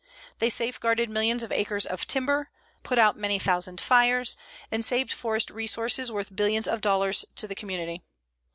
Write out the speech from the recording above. They safeguarded millions of acres of timber, put out many thousand fires, and saved forest resources worth billions of dollars to the community.